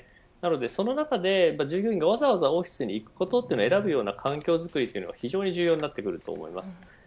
その中で従業員がわざわざオフィスに行くことを選ぶような環境作りが非常に重要になると思います。